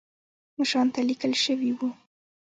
مشرانو ته لیکل شوي وو.